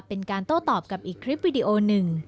เป็นการโต้ตอบกับอีกคลิปวิดีโอหนึ่ง